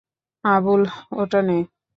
আবুল, ওটা নে।